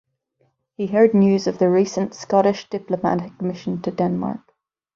He heard news of the recent Scottish diplomatic mission to Denmark.